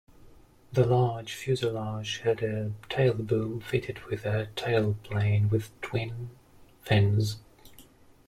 The large fuselage had a tailboom fitted with a tailplane with twin fins.